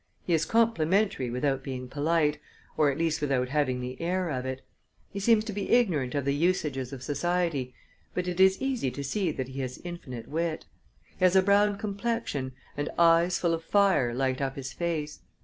He is complimentary without being polite, or at least without having the air of it. He seems to be ignorant of the usages of society, but it is easy to see that he has infinite wit. He has a brown complexion, and eyes full of fire light up his face.